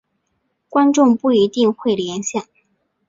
观众不一定会联想。